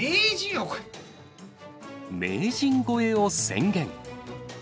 名人超えを宣言。